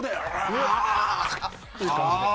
ウワワっていう感じで。